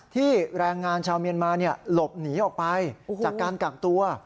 แรงงานชาวเมียนมาหลบหนีออกไปจากการกักตัว